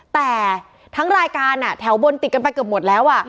แต่ทั้งรายการแถวบนติดกันไปเกือบหมดแล้ว